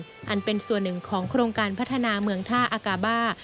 อันเป็นส่วนหนึ่งของโครงการพัฒนาเมืองท่าอากาบ้า